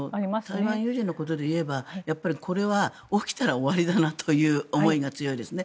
台湾有事のことでいえばこれは起きたら終わりだなという思いが強いですね。